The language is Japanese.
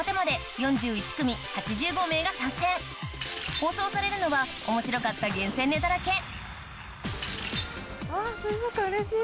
放送されるのは面白かった厳選ネタだけわ水族館うれしい！